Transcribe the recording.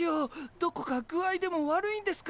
どこか具合でも悪いんですか？